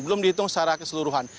belum dihitung secara keseluruhan